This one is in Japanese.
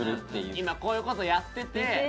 「今こういう事やってて」。